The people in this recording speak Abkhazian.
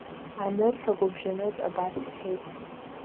Анырҳәа, агәыбжьанытә абас иҳәеит…